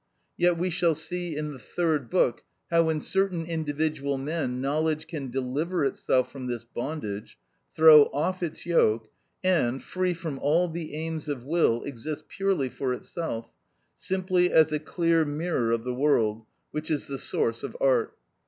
Yet we shall see in the Third Book how in certain individual men knowledge can deliver itself from this bondage, throw off its yoke, and, free from all the aims of will, exist purely for itself, simply as a clear mirror of the world, which is the source of art.